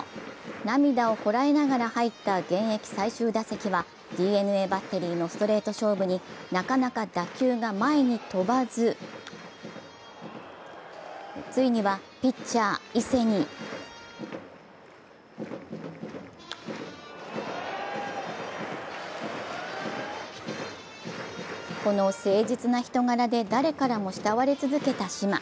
涙をこらえながら入った現役最終打席はＤｅＮＡバッテリーのストレート勝負になかなか打球が前に飛ばずついにはピッチャー・伊勢にこの誠実な人柄で誰からも慕われ続けた嶋。